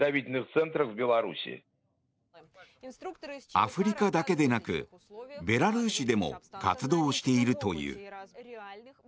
アフリカだけでなくベラルーシでも活動しているという。